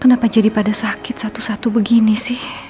kenapa jadi pada sakit satu satu begini sih